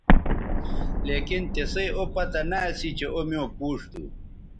لیکن تسئ او پتہ نہ اسی چہء او میوں پوچ تھو